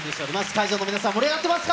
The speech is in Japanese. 会場の皆さん、盛り上がってます